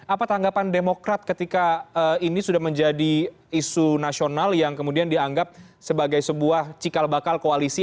apa tanggapan demokrat ketika ini sudah menjadi isu nasional yang kemudian dianggap sebagai sebuah cikal bakal koalisi